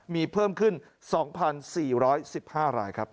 มีเพิ่มขึ้น๒๔๑๕รายครับ